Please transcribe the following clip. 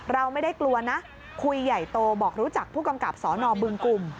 เราไม่ได้กลัวนะคุยใหญ่โตบอกรู้จักผู้กำกับสนบึงกลุ่ม